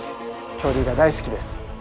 恐竜が大好きです。